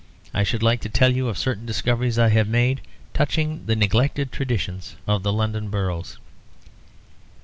I should like to tell you of certain discoveries I have made touching the neglected traditions of the London boroughs.